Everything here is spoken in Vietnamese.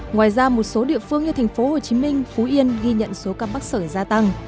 ngoài ra một số địa phương như thành phố hồ chí minh phú yên ghi nhận số ca mắc sở gia tăng